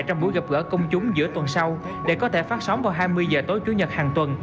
trong buổi gặp gỡ công chúng giữa tuần sau để có thể phát sóng vào hai mươi h tối chủ nhật hàng tuần